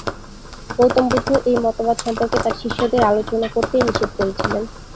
গৌতম বুদ্ধ এই মতবাদ সম্বন্ধে তার শিষ্যদের আলোচনা করতেই নিষেধ করেছিলেন।